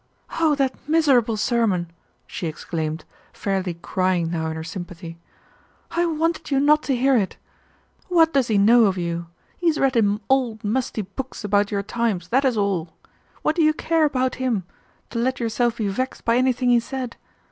"Oh that miserable sermon!" she exclaimed, fairly crying now in her sympathy, "I wanted you not to hear it. What does he know of you? He has read in old musty books about your times, that is all. What do you care about him, to let yourself be vexed by anything he said?